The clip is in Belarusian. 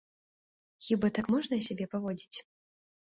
Хіба так можна сябе паводзіць?